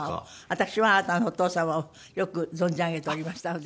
私はあなたのお父様をよく存じ上げておりましたので。